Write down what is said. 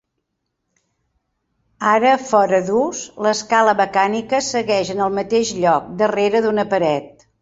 Ara fora d'ús, l'escala mecànica segueix en el mateix lloc, darrere d'una paret.